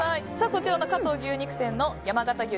こちらの加藤牛肉店の山形牛